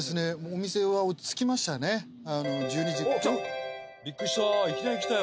お店は落ち着きましたねおっ来た！